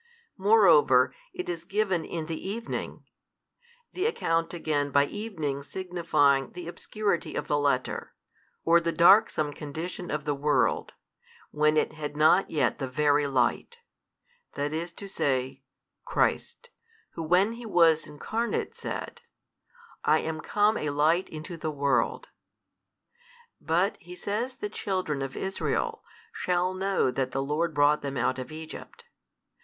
Moreover it is given in the evening: the account again by evening signifying the obscurity of the letter, or the darksome condition of the world, when it had not yet the Very Light, i. e.,. Christ, who when He was Incarnate said, I am come a Light into the world. But He says the children of Israel shall know that the Lord brought them out of Egypt.